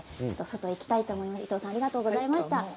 伊藤さんありがとうございました。